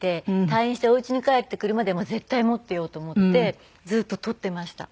退院してお家に帰ってくるまで絶対持っていようと思ってずーっと取ってました。